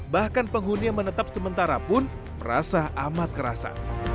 bahkan penghuni yang menetap sementara pun merasa amat kerasa